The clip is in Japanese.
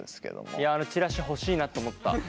いやあのチラシ欲しいなと思った。